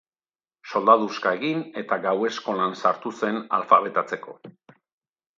Soldaduska egin, eta gau eskolan sartu zen alfabetatzeko.